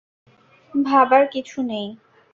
ভাবার কিছু নেই।